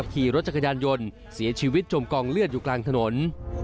ขี่รถจักรยานยนต์เสียชีวิตจมกองเลือดอยู่กลางถนน